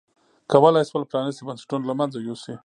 کولای یې شول پرانیستي بنسټونه له منځه یوسي.